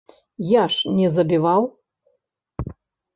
Я ж не забіваў.